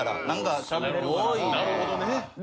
なるほどね。